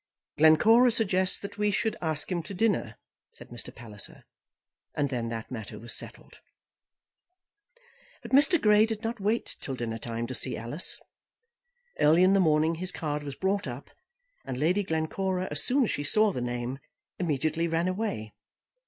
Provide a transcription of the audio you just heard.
"Glencora suggests that we should ask him to dinner," said Mr. Palliser; and then that matter was settled. But Mr. Grey did not wait till dinner time to see Alice. Early in the morning his card was brought up, and Lady Glencora, as soon as she saw the name, immediately ran away.